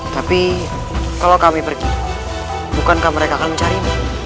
tapi kalau kami pergi bukankah mereka akan mencari kami